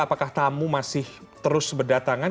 apakah tamu masih terus berdatangan